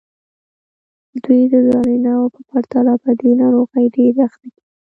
دوی د نارینه وو په پرتله په دې ناروغۍ ډېرې اخته کېږي.